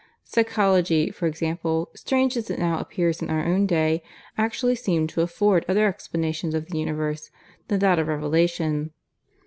Psychology, for example, strange as it now appears in our own day, actually seemed to afford other explanations of the Universe than that of Revelation.